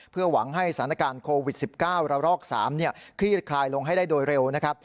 เพื่อหวังให้สถานการณ์โควิด๑๙ระลอก๓คลี่คลายลงให้ได้โดยเร็วนะครับ